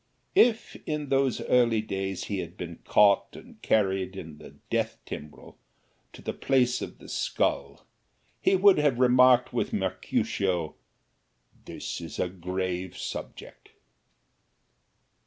If in those early days he had been caught and carried in the death tumbrel to the Place of the Skull, he would have remarked with Mercutio, "This is a grave subject."